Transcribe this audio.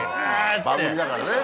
番組だからね